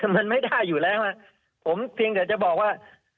มันไม่ได้อยู่แล้วผมเพียงแต่จะบอกว่า